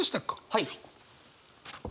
はい。